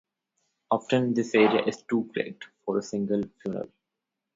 Often this area is too great for a single funnel.